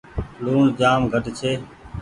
لوڻ جآم گھٽ ڇي۔